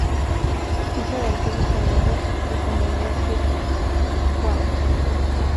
Hija de antiguas familias de San Miguel de Tucumán.